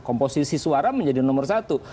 komposisi suara menjadi nomor satu